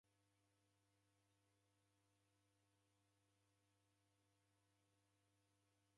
Ghoka ni mdi ghwa mashiniko ghwa rangi ya makumbo.